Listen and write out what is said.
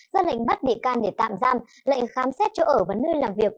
ra lệnh bắt bị can để tạm giam lệnh khám xét chỗ ở và nơi làm việc